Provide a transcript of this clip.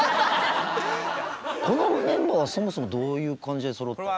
このメンバーはそもそもどういう感じでそろったの？